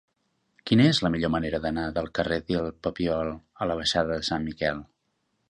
Quina és la millor manera d'anar del carrer del Papiol a la baixada de Sant Miquel?